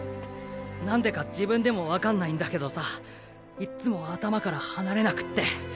なんでか自分でも分かんないんだけどさいっつも頭から離れなくって。